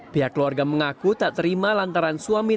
pihak keluarga mengaku tak terima lantaran suami